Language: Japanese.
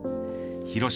広島